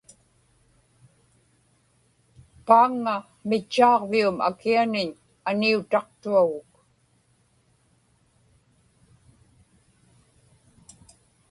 paaŋŋa mitchaaġvium akianiñ aniutaqtuagut